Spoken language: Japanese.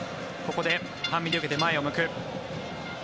ここで半身で受けて前を向く。